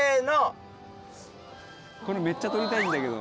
これめっちゃ撮りたいんだけど。